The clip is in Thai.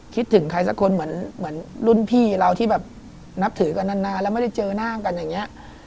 คิดถึงใครสักคนเหมือนรุ่นพี่เราที่แบบนับถือกันนานแล้วไม่ได้เจอหน้ากันอย่างนี้